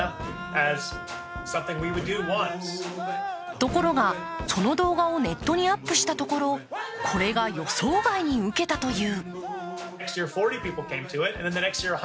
ところが、その動画をネットにアップしたところこれが予想外にウケたという。